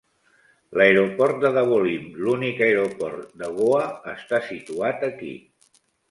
L'aeroport de Dabolim, l'únic aeroport de Goa, està situat aquí.